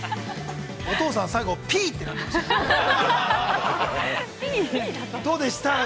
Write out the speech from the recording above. ◆お父さん、最後ピーってなってましたよ。